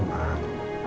maaf ya pak